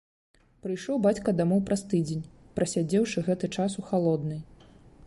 Прыйшоў бацька дамоў праз тыдзень, прасядзеўшы гэты час у халоднай.